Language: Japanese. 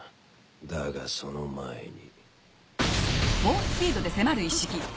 だがその前に。